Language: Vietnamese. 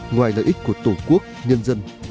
ngoài lợi ích của tổ quốc nhân dân